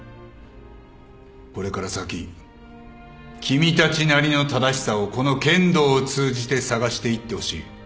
これから先君たちなりの正しさをこの剣道を通じて探していってほしい。